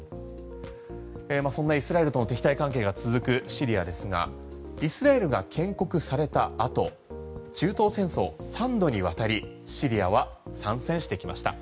そんなイスラエルとの敵対関係が続くシリアですがイスラエルが建国されたあと中東戦争、３度にわたりシリアは参戦してきました。